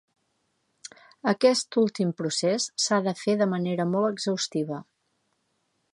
Aquest últim procés s'ha de fer de manera molt exhaustiva.